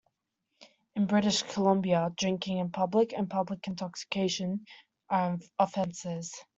In British Columbia, drinking in public and public intoxication are offenses.